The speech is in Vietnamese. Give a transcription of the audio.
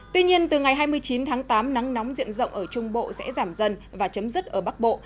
tuy nhiên từ ngày hai mươi chín tháng tám nắng nóng diện rộng ở trung bộ sẽ giảm dần và chấm dứt ở bắc bộ